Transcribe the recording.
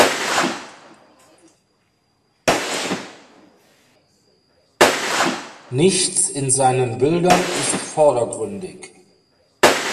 Nichts in seinen Bildern ist vordergründig.